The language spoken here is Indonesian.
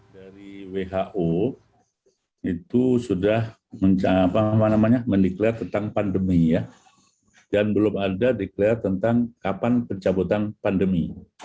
dari who itu sudah mendeklarasi tentang pandemi dan belum ada deklarasi tentang kapan pencabutan pandemi